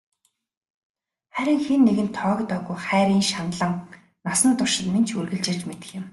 Харин хэн нэгэнд тоогдоогүй хайрын шаналан насан туршид минь ч үргэлжилж мэдэх юм.